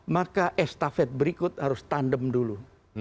maka estafet berikut harus tandem dulu